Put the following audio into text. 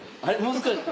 難しい。